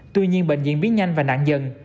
tuy nhiên bệnh viện biến nhanh và nạn dần